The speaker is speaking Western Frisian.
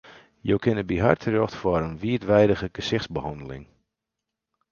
Jo kinne by har terjochte foar in wiidweidige gesichtsbehanneling.